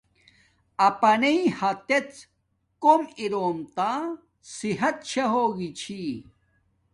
اپنانݵ ہاتڎ کوم اروم ماکا صحت شا ہوگی چھی